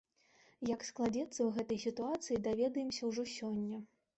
Як складзецца ў гэтай сітуацыі, даведаемся ўжо сёння.